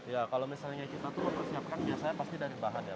ya kalau misalnya kita tuh mempersiapkan biasanya pasti dari bahan ya